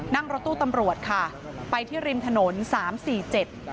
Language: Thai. นั่งรถตู้ตำรวจค่ะไปที่ริมถนนสามสี่เจ็ด